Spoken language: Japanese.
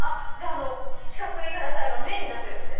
四角いタラタラが麺になってるのね？